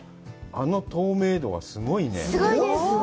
あの透明度はすごいね。